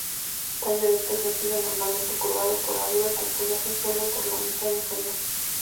Tallo erecto, sencillo, normalmente curvado por arriba, con follaje sólo por la mitad inferior.